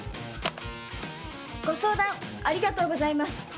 ご相談ありがとうございます